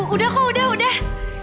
udah kok udah udah